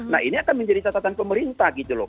nah ini akan menjadi catatan pemerintah gitu loh